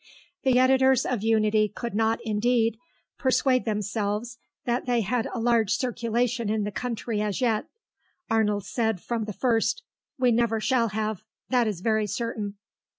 The editors of Unity could not, indeed, persuade themselves that they had a large circulation in the country as yet. Arnold said from the first, "We never shall have. That is very certain."